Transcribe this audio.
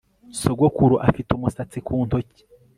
sogokuru afite umusatsi ku ntoki